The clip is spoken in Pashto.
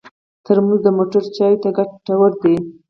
ترموز د موټر چایو ته ګټور دی.